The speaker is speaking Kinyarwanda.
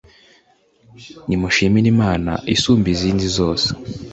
nimushimire imana isumba izindi zose